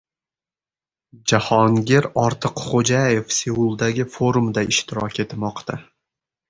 Jahongir Ortiqxo‘jaev Seuldagi forumda ishtirok etmoqda